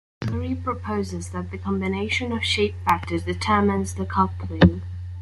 The theory proposes that a combination of shape factors determine the coupling.